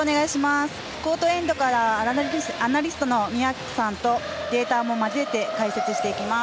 コートエンドからアナリストの宮脇さんとデータも交えて解説していきます。